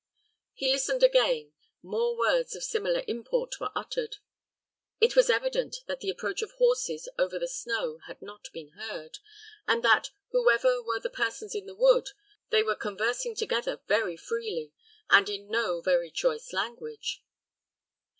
He listened again: more words of similar import were uttered. It was evident that the approach of horses over the snow had not been heard, and that, whoever were the persons in the wood, they were conversing together very freely, and in no very choice language.